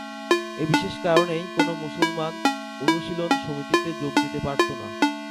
এ বিশেষ কারণেই কোনো মুসলমান অনুশীলন সমিতিতে যোগ দিতে পারত না।